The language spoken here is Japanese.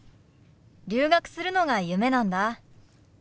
留学するのが夢なんだ。